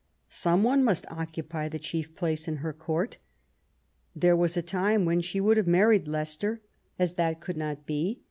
Some one must occupy the chief place in her Court. There was a time when sh^ woulcj have married Leicester; as 16 • QUEEN ELIZABETH.